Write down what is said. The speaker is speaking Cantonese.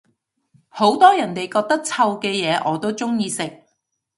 好多人哋覺得臭嘅嘢我都鍾意食